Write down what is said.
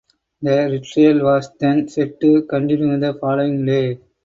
The retrial was then set to continue the following day.